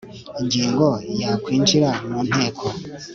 Ingingo ya Kwinjira mu Nteko